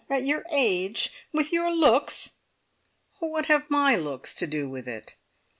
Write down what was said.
At your age! With your looks " "What have my looks to do with it?"